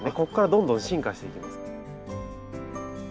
こっからどんどん進化していきます。